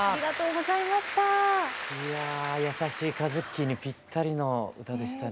いや優しいカズッキーにぴったりの歌でしたね。